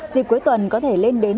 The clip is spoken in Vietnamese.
dịp cuối tuần có thể lên đến